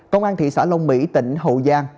công an thị xã lông mỹ tỉnh hậu giang